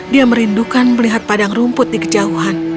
dia merindukan melihat padang rumput di kejauhan